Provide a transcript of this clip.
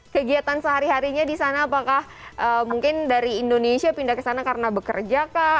kegiatan sehari harinya di sana apakah mungkin dari indonesia pindah ke sana karena bekerja kah